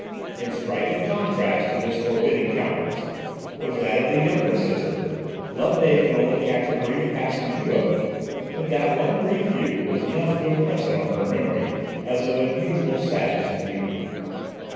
In striking contrast to this forbidding countenance, was that of the younger Sister. Loveday could only catch a brief passing view of it, but that one brief view was enough to impress it on her memory as of unusual sadness and beauty.